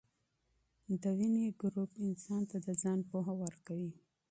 دویني ګروپ انسان ته د ځان پوهه ورکوي.